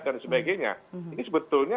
dan sebagainya ini sebetulnya